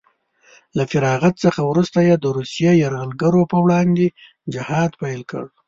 له فراغت څخه وروسته یې د روسیې یرغلګرو په وړاندې جهاد پیل کړ